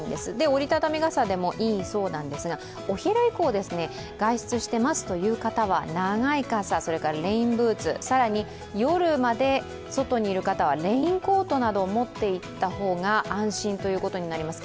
折り畳み傘でもいいそうなんですが、お昼以降、外出してますという方は長い傘、それからレインブーツ、更に夜まで外にいる方はレインコートなどを持っていった方が安心ということになります。